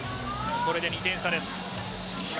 これで２点差です。